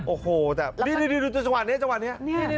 โอ้โหดูจังหวะนี้